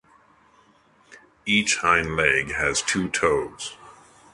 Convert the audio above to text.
Each hind leg has two toes.